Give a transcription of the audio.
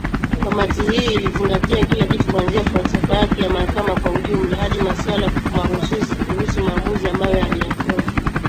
kamati hii ilizingatia kila kitu kuanzia falsafa yake ya mahakama kwa ujumla hadi maswali mahususi kuhusu maamuzi ambayo aliyatoa